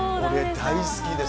大好きです。